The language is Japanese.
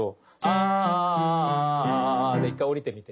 あーで一回下りてみて。